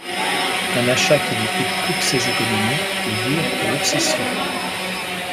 Un achat qui lui coûte toutes ses économies et vire à l'obsession.